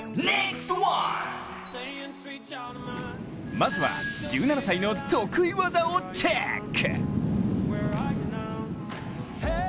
まずは１７歳の得意技をチェック。